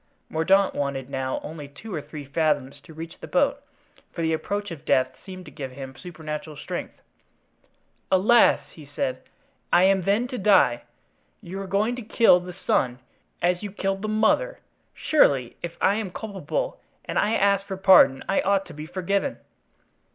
Mordaunt wanted now only two or three fathoms to reach the boat, for the approach of death seemed to give him supernatural strength. "Alas!" he said, "I am then to die? You are going to kill the son, as you killed the mother! Surely, if I am culpable and if I ask for pardon, I ought to be forgiven."